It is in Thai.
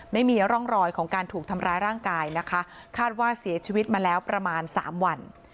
ไม่มีร่องรอยของการถูกทำร้ายร่างกายนะคะคาดว่าเสียชีวิตมาแล้วประมาณสามวัน